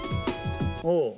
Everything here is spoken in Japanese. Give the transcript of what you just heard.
お！